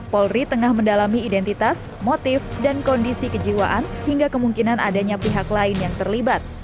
polri tengah mendalami identitas motif dan kondisi kejiwaan hingga kemungkinan adanya pihak lain yang terlibat